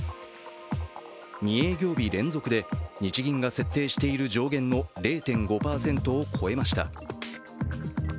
２営業日連続で、日銀が設定している上限の０．５％を超えました。